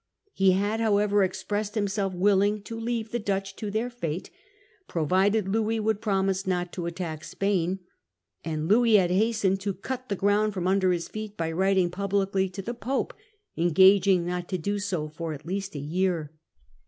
He had however expressed himself willing to leave the Dutch to their fate, provided Louis would promise not to attack Spain ; and Louis had hastened to cut the ground from under his feet by writing publicly to the Pope, en gaging not to do so for at least a year.